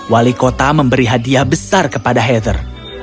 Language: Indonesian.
wali kota memberi hadiah besar kepada heather